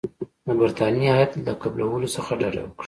د برټانیې د هیات له قبولولو څخه ډډه وکړه.